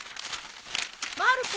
・まる子。